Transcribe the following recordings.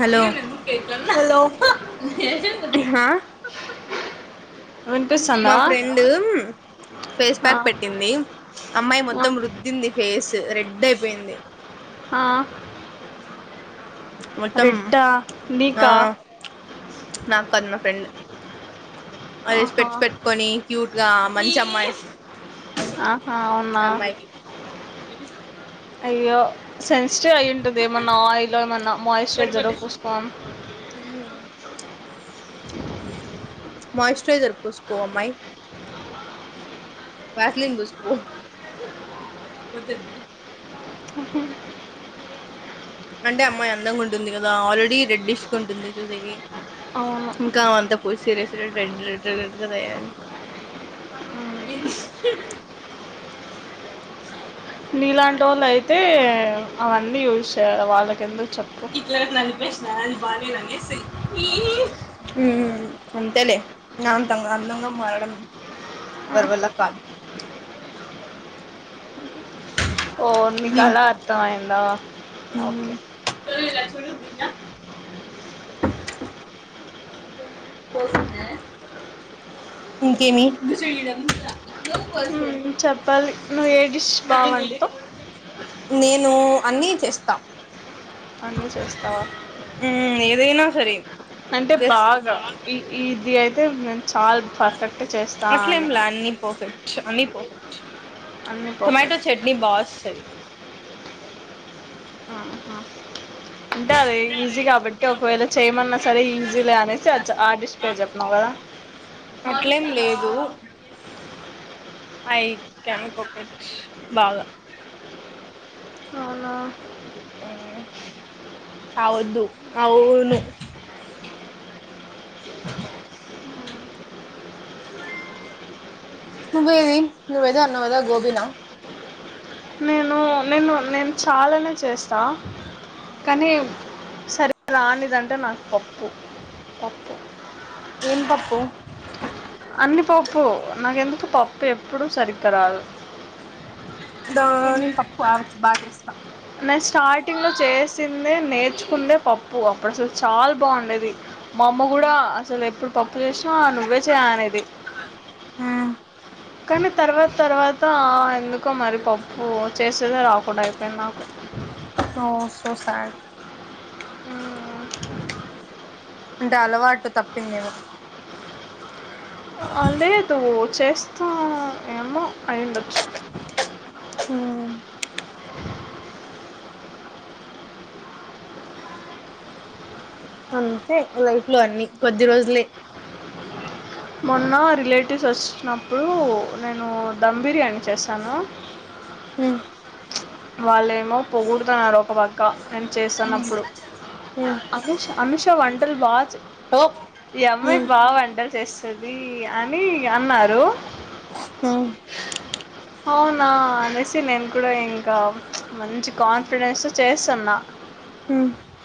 Hello hello వినిపిస్తుందా మా friend face ఆ ప్యాక్ పెట్టింది అమ్మాయి ఆ మొత్తం రుద్దింది ఫేస్ రెడ్ అడ్డయిపోయింది ఆ మొత్తం రెడ్డా ఆ నీకా నాక్కాదు మా ఫ్రెండ్ అది ఆహా స్పెట్స్ పెట్టుకొని క్యూట్ గా మంచి అమ్మాయి ఆహా అవునా అమ్మాయికి అయ్యో సెన్సిటివ్ అయి ఉంటుంది ఏమన్నా ఆయిల్ ఏమన్నా మాయిశ్చరైజర్ పూసుకోం మ్మ్ మాయిశ్చరైసర్ పూసుకో అమ్మాయి వేజలిన్ పూసుకో అంటే అమ్మాయి అందంగా ఉంటుంది కదా ఆల్రెడీ రెడ్డీష్ గ ఉంటుంది చూసేకి అవును ఇంకా అంతా పూసీ రాసీ రెడ్ రెడ్ రెడ్ రెడ్ గా తయారయింది నీలాంటి వాళ్ళు అయితే అవన్నీ యూజ్ చేయాలి వాళ్ళకెందుకు చెప్పు [unintelligible] మ్ అంతలే నా అంత అందంగా మారడం ఎవ్యరివల్ల కాదు ఓహో మీ కల అర్థమయి హలో మ్ [unintelligible] పోసిందా ఇంకే మీ మ్ చెప్పాలి నువు ఏ డిష్ బా వండుతావ్ నేనూ అన్నీ చేస్తా అన్నీ చేస్తావా ఉ ఏదైనా సరే అంటే జస్ట్ బాగా ఈ ఇది అయితే [unintelligible] పర్ఫెక్ట్ చేస్తాను అట్లేంలా అన్ని పర్ఫెక్ట్ అన్ని పర్ఫెక్ట్ అన్ని టోమాటో పర్ఫెక్ట్ చట్నీ బా వస్తది ఆహ అంటే అదీ ఈజీ కాబట్టి ఒకవేళ చేయమన్న సరే ఇన్ జూలై అనేసి వచ్చా ఆర్ డిష్ పే చెప్పినావ్ కదా అట్లేం లేదు ఐ కన్ కుక్ ఇట్ బాగ అవునా అవ్వొద్దు అవ్వకూడద్ నువ్ [inaudible] నువ్వేది నువ్వేదో అన్నవ్ కదా గోబి నా నేను నేను నేన్ చాలానే చేస్తా కానీ వ్ సరే రానిదంటే నాక్ పప్పు పప్పు ఏం పప్పు అన్ని పప్పు నాకెందుకు పప్పు ఎప్పుడు సరిగ్గా రాదు పప్పు ఆ వచ్చు బా చేస్తా నేను స్టార్టింగ్ లో చేసిందే నేర్చుకుందే పప్పు అప్పుడు అసలు చాలా బాగుండేది మా అమ్మ కూడా అసలు ఎప్పుడ్ చేసినావా నువ్వే తాా అనేది కానీ తర్వాత తర్వాత ఎందుకో మరి పప్పు చేసేదే రాకుండా అయిపోయింది నాకు ఓ సో సాడ్ ఆ అంటే అలవాటు తప్పిందివరు అ లేదు చేస్తూ ఏమో అయిండొచ్చు అంతే లైఫ్ లో అన్ని కొద్ది రోజులే మొన్న రిలేటివ్స్ వచ్చినప్పుడు నేను ధమ్ బిర్యానీ చేశాను హ్మ్ వాళ్ళేమో పొగుడుతన్నారు ఒక పక్క నేను చేసాన్నప్పుడు అమిష అమిషా వంన్ టల్ బా చాయి తో ప్ ఈ అమ్మాయి బా వంట చేస్తది అని అన్నారు అవునా అనేసి నేను కూడా ఇంకా మంచి కాన్ఫిడెన్స్ చేస్తున్నా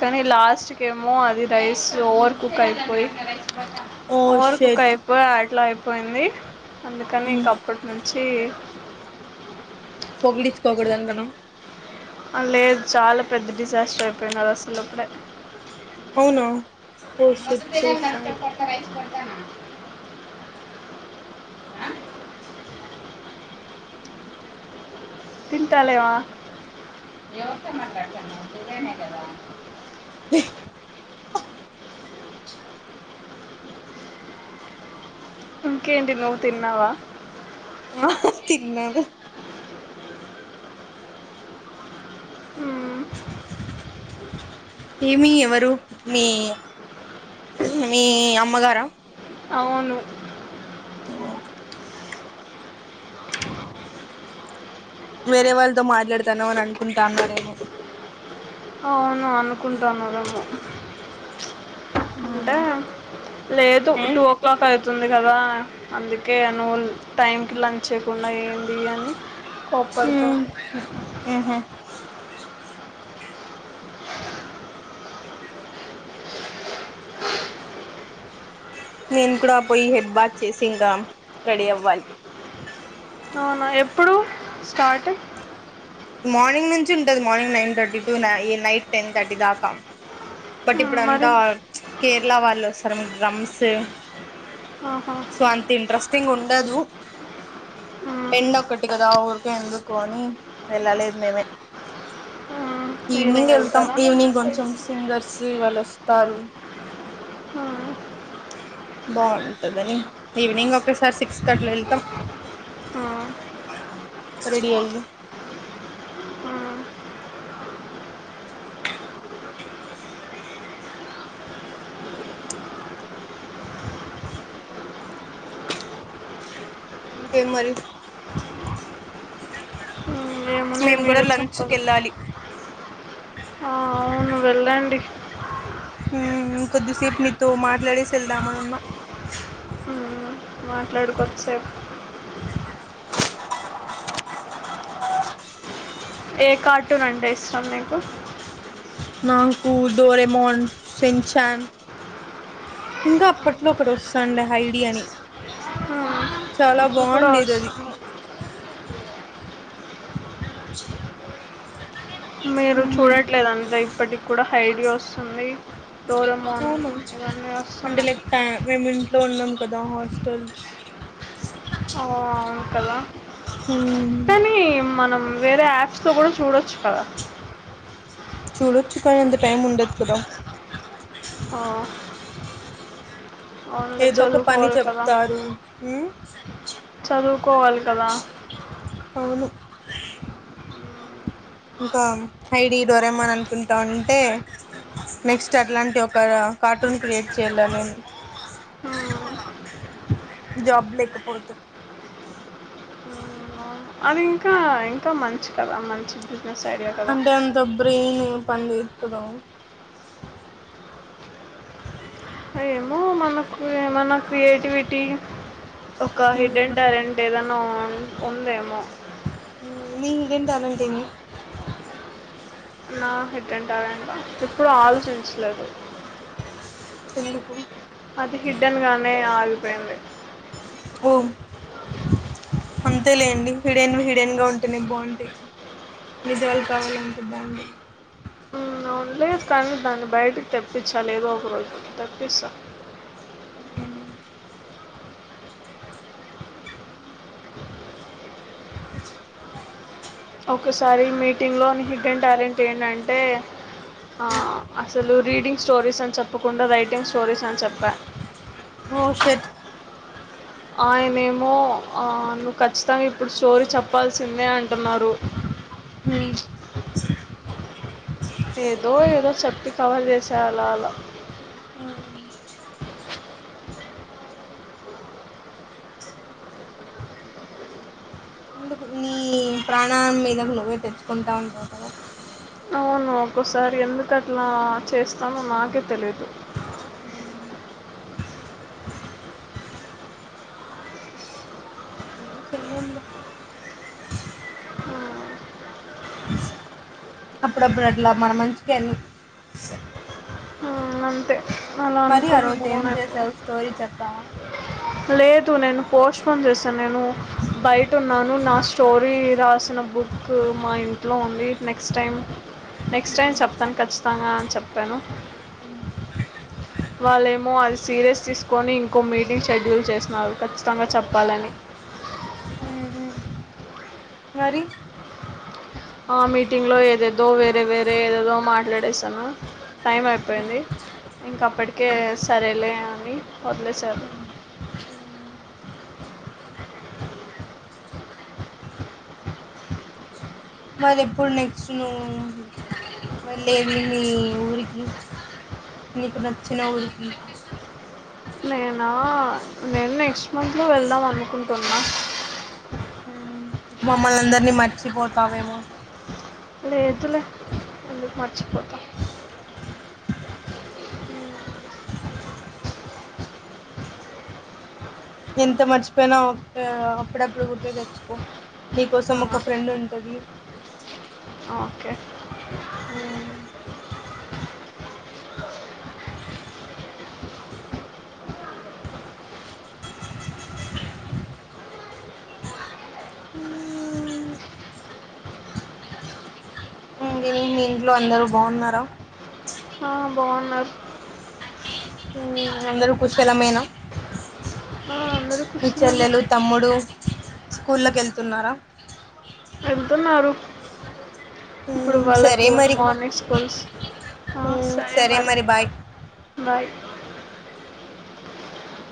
కానీ లాస్ట్కి ఏమో అది రైస్ ఓవర్ కుక్ అయిపోయి ఓ ఓవర్ కుక్ షట్ అయిపో ఆట్లాయి పోయింది అందుకని ఇంక అప్పటి నుంచి పోగుడిచ్చుకోకూడదు అనుకునం ఆ లేద్ చాలా పెద్ద డిజాస్టర్ అయిపోయిన్నారు అసలుప్పుడే అవునా పో షట్ సూసైడ్ తింటాలేవా ఇంకేంటి నువ్వు తిన్నావా తిన్నాద ఉ ఏమి ఎవరు మీ మీ అమ్మగారా అవును వేరే వాళ్ళతో మాట్లాడతానవు అని అనుకుంటా అన్నారేమో అవును అనుకుంటానరేమో అంటే లేదు టూ ఓ క్లాక్ అవుతుంది గదా అందుకే నువ్వు టైంకి లంచ్ చేయకుండా ఏంది అని కోప్పడతావు హ్మ్ ఊహూ నేను కూడా పోయి హెడ్ బాత్ చేసి రామ్ రెడీ అవ్వాలి అవునా ఎప్పుడు స్టార్ట్ మార్నింగ్ నుంచి ఉంటది మార్నింగ్ నైన్ థర్టీ టు న నైట్ టెన్ థర్టీ దాకా బట్ మ్మ్, మరి ఇప్పుడుంతా కేరళ వాళ్ళుస్తారు రామ్ స్తే ఆహా. సో అంత ఇంట్రెస్టింగ్ ఉండదు మ్మ్, ఎండ్ ఒక్కటి గదా ఎందుకోని వెళ్ళాలి మీమే మ్మ్. ఈవినింగ్ వెళ్తాం వెళ్తారా ఈవినింగ్ కొంచెం సింగర్స్ శీవల్ ఇస్తారు మ్మ్, బాగుంటదని ఈవినింగ్ ఒకేసారి సిక్స్ కాట్ల వెళ్తాం మ్మ్, రెడీ అయి మ్మ్, దే మరి మ్మ్. ఏముంది మేము కూడా మీరే లంచ్కి చెప్పదు వెళ్ళాలి ఆ అవును వెళ్ళండి ఉ ఇన్ కొద్దిసేపు మీతో మాట్ రెడీ చేల్డమన్నా మ్మ్, మాట్లాడుకోవచ్చేపు ఏ కార్టూనంటే ఇష్టం నీకు నాకు డోరెమోన్ సెంచాన్ ఇంకా అప్పట్లో ఒకటి వస్తుండే ఐడి అని ఆ, చాలా ఇప్పుడు కూడా బాగుండేది అది వస్తుంది మీరు చూడట్లేదు అంతా ఇప్పటికి కూడా ఐడియా వస్తుంది డోరమోన్ అవునా ఇవన్నీ అంటే వస్తున్నాయి లైక్ మేము ఇంట్లో ఉన్నాం పెద్ద వర్స్ ఓ అవును కదా కానీ మనం వేరే యాప్స్ తో గూడా చూడొచ్చు కదా చూడొచ్చు కానీ అంత టైం ఉండదు కదా ఆ, అవునులే ఏదో ఒక పని చదువుకోవాలి కదా చెప్తారు ఉ కోల్ కదా ఇంకా ఐడి డోరామాన్ అనుకుంటా ఉంటే నెక్స్ట్ అట్లాంటి ఒక కార్టూన్ క్రియేట్ చెయ్యాల నేను ఉమ్, జాబ్ లేకపోదు అది ఇంకా ఇంకా మంచి కదా మంచి బిజినెస్ ఐడియా కదా అంటే అంత బ్రెయిన్ పని చేత్తుదా ఏమో మనకు ఏమోనా క్రియేటివిటీ ఒక ఉమ్ హిడెన్ టాలెంట్ ఏదన్నా ఉందేమో టిని నా హిడెన్ టాలెంటా ఎప్పుడు ఆలోచించలేదు ఎందుకు అది హిడ్డన్గానే ఆల్ పొయింది ఓ అన్ తె లేండి హిడెన్ హిడెన్గా ఉంటేనే బావుంటాయి నిసెవాలు కావాలి అంటే బా [inaudible] ఉమ్ అవునులే కానీ దాన్ని బయటికి తెప్పిచ్చాలి ఏదో ఒక రోజుకి తెప్పిస్తా ఉ అ [inaudible] ఒకసారి మీటింగ్ లో నీ హిడెన్ టాలెంట్ ఏంటంటే ఆ అసలు రీడింగ్ స్టోరీస్ అని చెప్పకుండా రైటింగ్ స్టోరీస్ అని చెప్పా ఓ షట్ ఆయనేమో ఆ నువ్వు ఖచ్చితంగా ఇప్పుడు స్టోరీ చెప్పాల్సిందే అన్ టున్నారు ఉమ్ [inaudible] ఏదో ఏదో చెప్పి కవర్ చేస్ టే అలా అలా అవు ఎందుకు నీ ప్రాణాం మీదకు నువ్వే తెచ్చుకుంటా ఉంటావు కదా అవును ఒక్కోసారి ఎందుకట్లా చేస్తానో నాకే తెలీదు ఉమ్ [inaudible] చెల్లేందో ఆ అప్పుడప్పుడు అట్లా మన మంచికే అన్నీ ఆ అంతే అలా ఆ అనుకుని రోజు మూ ఏం ఆన్ అయిపో చేసావు స్టోరీ చెప్తావా లేదు నేను పోస్ట్ పోన్ చేస్ తా నేను బయటున్నాను నా స్టోరీ రాసిన బుక్ మా ఇంట్లో ఉంది నెక్స్ట్ టైం నెక్స్ట్ టైం చెప్తాను ఖచ్చితంగా అని చెప్పాను [inaudible] వాళ్ళేమో అది సీరియస్ తీసుకొని ఇంకో మీటింగ్ షెడ్యూల్ చేసినారు ఖచ్చితంగా చెప్పాలని ఊహూ మరి ఆ మీటింగ్ లో ఏదేదో వేరే వేరే ఏదేదో మాట్లాడేసాను. టైం అయిపోయింది. ఇంకప్పటికే సరేలే అని వదిలేసారు. [inaudible] మరి ఎప్పుడు నెక్స్ట్ నువ్వు వెళ్ళేది. నీ ఊరికి నీకు నచ్చిన ఊరికి. నేనా నేను నెక్స్ట్ మంత్ లో వెళ్దాం అనుకుంటున్నా. మమ్మల్ందరినీ మర్చ్ లేదులే ఎందుకు మర్చిపోతా [inaudible] ఎంత మర్చ్ పోయినా అప్పుడప్పుడు. గుర్తుతెచ్చుకో నీకోసం ఆ, ఒక ఫ్రెండ్ ఉంటది. ఓకే [inaudible] ఆ ఉహ్ మీర్ మీ ఇంట్లో అందరు బాగున్నార. ఆ బాగున్నార్ అందరుూ కూషాళ్లమేనా ఆ, అందరూ మీ కుషలమే చెల్లెలు, తమ్ముడు స్కూల్లోకి ఎళ్తున్నారా ఎల్తోన్నారు ఇప్పుడు సరే వాళ్ళకు మరి మార్నింగ్ స్కూల్స్ ఆ సరే మరి బాయ్